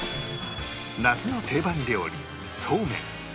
夏の定番料理そうめん